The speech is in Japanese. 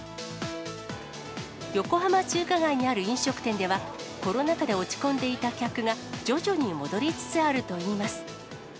横浜中華街にある飲食店では、コロナ禍で落ち込んでいた客が、徐々に戻りつつあるといいます。